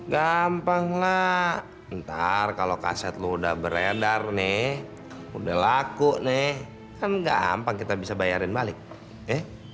gampang lah ntar kalau kaset lo udah beredar nih udah laku nih kan gampang kita bisa bayarin balik eh